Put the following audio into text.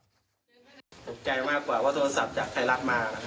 ตกใจมากกว่าว่าโทรศัพท์จากไทยรัฐมา